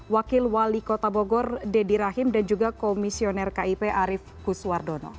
wakil wali kota bogor deddy rahim dan juga komisioner kip arief kuswardono